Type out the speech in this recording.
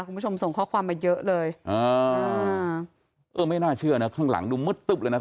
คุณผู้ชมส่งข้อความมาเยอะเลย